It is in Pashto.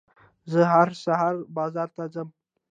زه هر سهار بازار ته ځم.